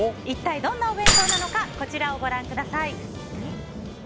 一体どんなお弁当なのかこちらをご覧ください。